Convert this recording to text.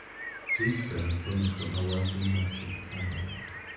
Riesco came from a wealthy merchant family.